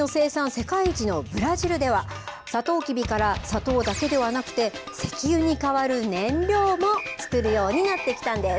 世界一のブラジルではさとうきびから砂糖だけではなくて石油に変わる燃料も作るようになってきたんです。